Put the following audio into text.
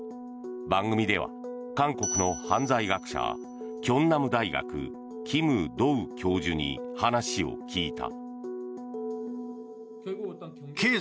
番組では韓国の犯罪学者慶南大学、キム・ドウ教授に話を聞いた。